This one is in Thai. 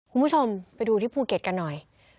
คุณผู้ชมไปดูที่ภูเก็ตกันหน่อย